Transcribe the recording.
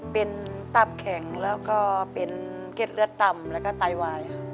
เป็นตับแข็งแล้วก็เป็นเก็ดเลือดต่ำแล้วก็ไตวาย